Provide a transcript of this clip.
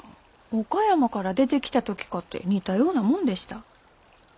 岡山から出てきた時かて似たようなもんでした。